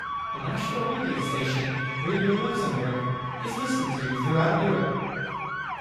The national radio station, Radio Luxembourg, is listened to throughout Europe.